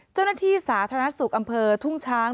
เจ้าหน้าที่สาธารณสุขอำเภอทุ่งช้าง